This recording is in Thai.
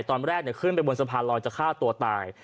ตอนแรกขึ้นไปบนสะพานลอยจะฆ่าตัวตาย